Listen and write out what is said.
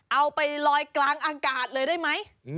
เอาไปลอยกลางอากาศเลยได้ไหม